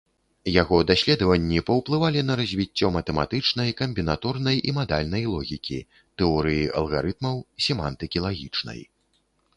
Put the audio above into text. Яго даследаванні паўплывалі на развіццё матэматычнай, камбінаторнай і мадальнай логікі, тэорыі алгарытмаў, семантыкі лагічнай.